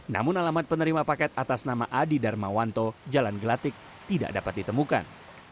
namun alamat penerima paket atas nama adi darmawanto jalan gelatik tidak dapat ditemukan